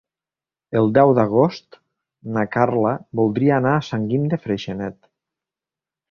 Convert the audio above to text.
El deu d'agost na Carla voldria anar a Sant Guim de Freixenet.